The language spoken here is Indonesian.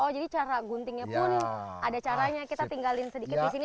jadi cara guntingnya pun ada caranya kita tinggalkan sedikit di sini